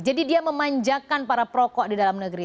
jadi dia memanjakan para perokok di dalam negeri